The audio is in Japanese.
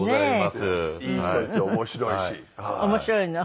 面白いの？